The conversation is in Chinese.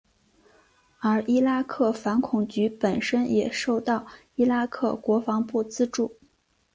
而伊拉克反恐局本身也受到伊拉克国防部资助。